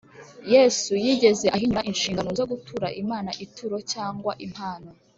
yesu yigeze ahinyura inshingano zo gutura imana ituro cyangwa impano